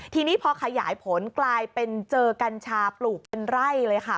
ทีนี้พอขยายผลกลายเป็นเจอกัญชาปลูกเป็นไร่เลยค่ะ